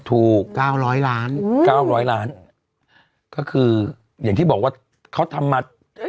ถูก๙๐๐ล้าน๙๐๐ล้านก็คืออย่างที่บอกว่าเขาทำมา